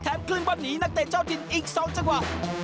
แถมครึ่งบอลหนีนักเตะเจ้าจินอีก๒จังหวะ